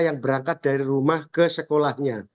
yang berangkat dari rumah ke sekolahnya